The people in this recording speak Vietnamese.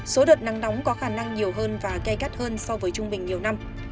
số đợt nắng nóng có khả năng nhiều hơn và gây gắt hơn so với trung bình nhiều năm